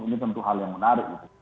ini tentu hal yang menarik